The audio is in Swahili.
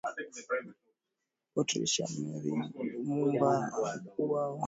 Patrice Emery Lumumba aliuwawa wakati Kongo ipo chini ya majeshi ya Umoja wa Mataifa